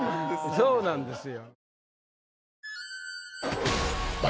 そうなんですよ。